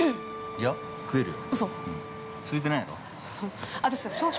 ◆いや、食えるよ。